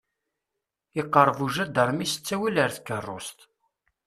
Iqeṛṛeb ujadermi s ttawil ar tkeṛṛust.